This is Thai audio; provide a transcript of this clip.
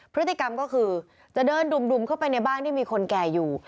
พฤติกรรมก็คือจะเดินดุ่มเข้าไปในบ้านที่มีคนแก่อยู่